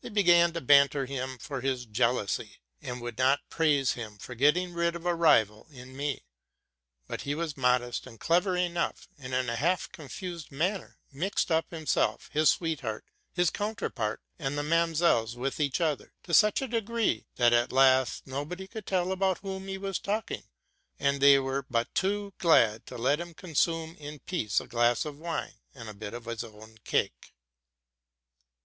They began to banter him for his jealousy, and would not praise him for getting rid of a rival in me: but he was modest and eleyer enough, and, in a half confused manner, mixed up himself, his sweetheart, his counterpart, and the Mansells with each other, to er a degree, that at last nobody could tell about whom he was talking; and they were but too glad to let him consume in peace a glass of wine and a bit of his own cake.